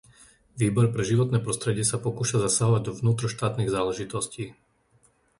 Výbor pre životné prostredie sa pokúša zasahovať do vnútroštátnych záležitostí.